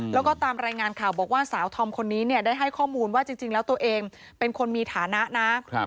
แล้วก็ตามรายงานข่าวบอกว่าสาวธอมคนนี้เนี่ยได้ให้ข้อมูลว่าจริงแล้วตัวเองเป็นคนมีฐานะนะ